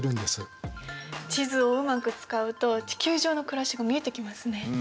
地図をうまく使うと地球上の暮らしが見えてきますね。